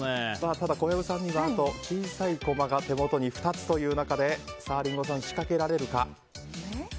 ただ小籔さんにはあと小さいコマが手元に２つという中でリンゴさん、仕掛けられるか？